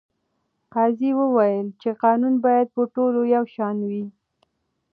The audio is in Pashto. قاضي وویل چې قانون باید په ټولو یو شان وي.